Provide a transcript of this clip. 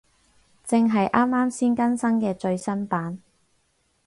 正係啱啱先更新嘅最新版